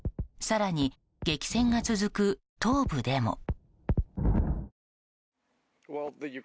更に激戦が続く東部でも。